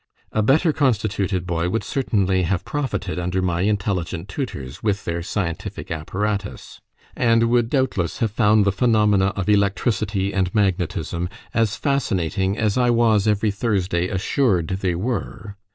A better constituted boy would certainly have profited under my intelligent tutors, with their scientific apparatus; and would, doubtless, have found the phenomena of electricity and magnetism as fascinating as I was, every Thursday, assured they were.